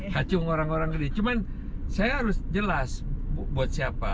hacung orang orang gede cuman saya harus jelas buat siapa